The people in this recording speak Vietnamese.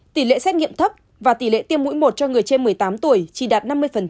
tỷ lệ xét nghiệm thấp và tỷ lệ tiêm mũi một cho người trên một mươi tám tuổi chỉ đạt năm mươi